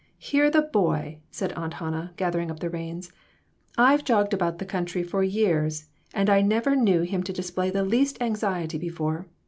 "Hear the boy!" said Aunt Hannah, gathering up the reins ; "I've jogged about the country for years, and I never knew him to display the least anxiety before.